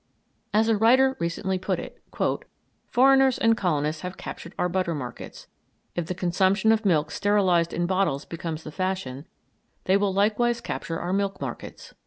As a writer recently put it: "Foreigners and colonists have captured our butter markets; if the consumption of milk sterilised in bottles becomes the fashion, they will likewise capture our milk markets."